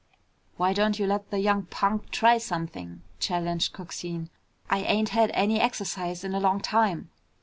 "Why don't you let the young punk try something?" challenged Coxine. "I ain't had any exercise in a long time."